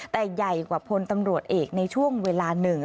แต่ใหญ่กว่าพลตำรวจเอกในช่วงเวลาหนึ่ง